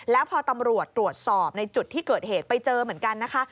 แล้วพอตำรวจตรวจสอบในจุดที่เกิดเหตุไปเจอเหมือนกันนะคะ